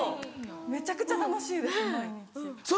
めちゃくちゃ楽しいです毎日。